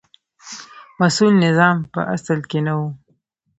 مسوول نظام په اصل کې نه و.